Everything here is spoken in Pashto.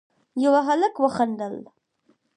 يوه هلک وخندل: